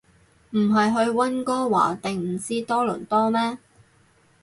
唔係去溫哥華定唔知多倫多咩